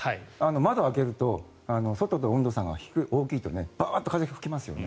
窓を開けると外と温度差が大きいとバーッと風が吹きますよね。